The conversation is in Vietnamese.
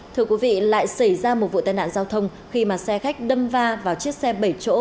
thưa quý vị lại xảy ra một vụ tai nạn giao thông khi mà xe khách đâm va vào chiếc xe bảy chỗ